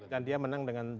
dan dia menang dengan